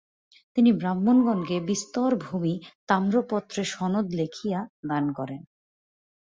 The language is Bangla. তিনি ব্রাহ্মণগণকে বিস্তর ভূমি তাম্রপত্রে সনন্দ লিখিয়া দান করেন।